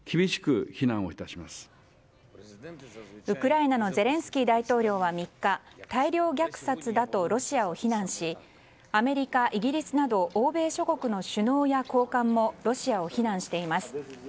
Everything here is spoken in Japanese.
ウクライナのゼレンスキー大統領は３日大量虐殺だとロシアを非難しアメリカ、イギリスなど欧米諸国の首脳や高官もロシアを非難しています。